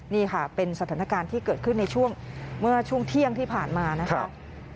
นี่ค่ะเป็นสถานการณ์ที่เกิดขึ้นในช่วงเมื่อช่วงเที่ยงที่ผ่านมานะครับ